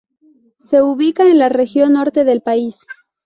Se ubica en la región norte del país.